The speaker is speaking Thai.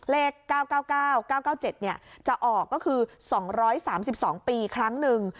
เลข๙๙๙๙๙๗จะออกก็คือ๒๓๒ปีครั้งหนึ่ง